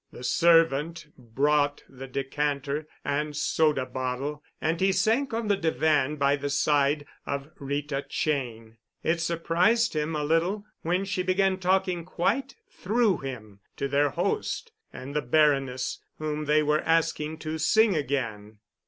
The servant brought the decanter and soda bottle, and he sank on the divan by the side of Rita Cheyne. It surprised him a little when she began talking quite through him to their host and the Baroness, whom they were asking to sing again.